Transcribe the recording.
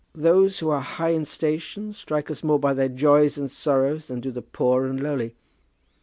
Those who are high in station strike us more by their joys and sorrows than do the poor and lowly.